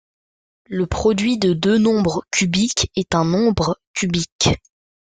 Le produit de deux nombres cubiques est un nombre cubique.